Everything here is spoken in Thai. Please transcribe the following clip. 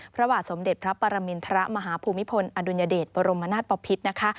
พระหว่าสมเด็จพระปรมินทรมาฮภูมิพลอดุญเดชบรมนาทปภิษฐ์